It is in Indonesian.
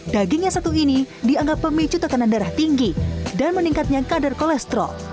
daging yang satu ini dianggap pemicu tekanan darah tinggi dan meningkatnya kadar kolesterol